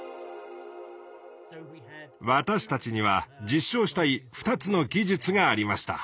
私たちには実証したい２つの技術がありました。